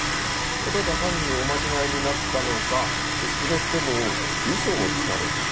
ただ単にお間違いになったのかそれともウソをつかれたのか。